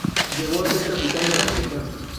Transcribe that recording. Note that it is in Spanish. Llegó a ser capitán de la selección.